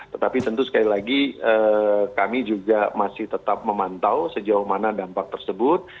tetapi tentu sekali lagi kami juga masih tetap memantau sejauh mana dampak tersebut